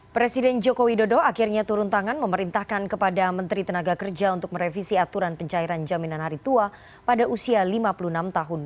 presiden joko widodo akhirnya turun tangan memerintahkan kepada menteri tenaga kerja untuk merevisi aturan pencairan jaminan hari tua pada usia lima puluh enam tahun